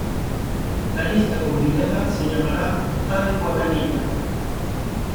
La lista combinada se llamará Al-Wataniya.